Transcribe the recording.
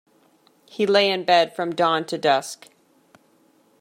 He lay in bed from dawn to dusk.